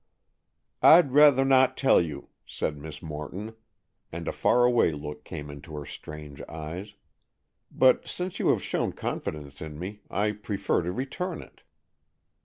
"I'd rather not tell you," said Miss Morton, and a far away look came into her strange eyes; "but since you have shown confidence in me, I prefer to return it."